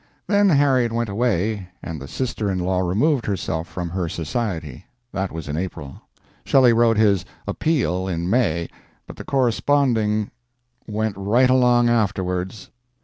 Then Harriet went away, and the sister in law removed herself from her society. That was in April. Shelley wrote his "appeal" in May, but the corresponding went right along afterwards.